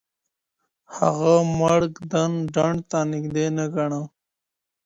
هغه مړ ږدن ډنډ ته نږدې نه ګاڼه.